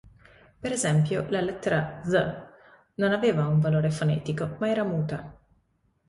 Per esempio la lettera Ð non aveva un valore fonetico, ma era muta.